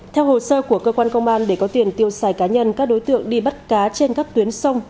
theo hồ sơ của cơ quan công an để có tiền tiêu xài cá nhân các đối tượng đi bắt cá trên các tuyến sông